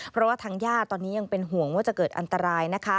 เพราะว่าทางญาติตอนนี้ยังเป็นห่วงว่าจะเกิดอันตรายนะคะ